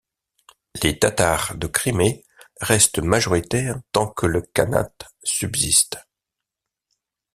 Les tatars de Crimée restent majoritaires tant que le khanat subsiste.